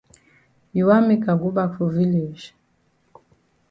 You wan make I go bak for village?